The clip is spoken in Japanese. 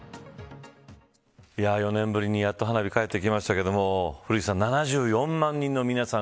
４年ぶりに、やっと花火帰ってきましたけど古市さん、７４万人の皆さん